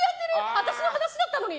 私の話だったのに！